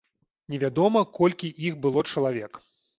Невядома, колькі іх было чалавек.